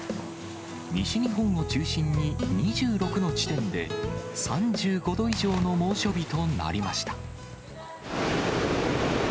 西日本を中心に２６の地点で、３５度以上の猛暑日となりました。